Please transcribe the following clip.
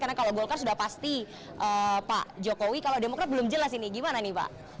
karena kalau golkan sudah pasti pak jokowi kalau demokrat belum jelas ini gimana nih pak